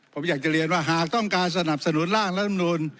ผมอยากจะเรียนว่าหากต้องการสนับสนุนร่างรัฐมนูล